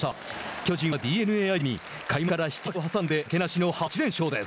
巨人はＤｅＮＡ相手に開幕から引き分けを挟んで負けなしの８連勝です。